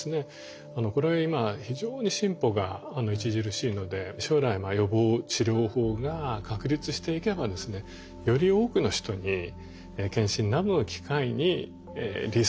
これは今非常に進歩が著しいので将来予防治療法が確立していけばですねより多くの人に健診などの機会にリスクを予測するために測る。